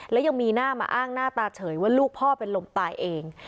และยังมีหน้ามาอ้างหน้าตาเฉยว่าลูกพ่อเป็นลมตายเอง